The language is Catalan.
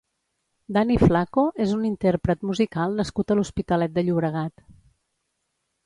Dani Flaco és un intérpret musical nascut a l'Hospitalet de Llobregat.